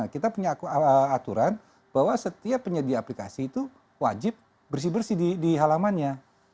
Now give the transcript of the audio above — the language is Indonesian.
kita punya aturan bahwa setiap penyedia aplikasi itu wajib bersih bersih di halamannya